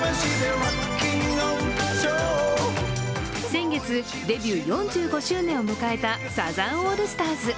先月デビュー４５周年を迎えたサザンオールスターズ。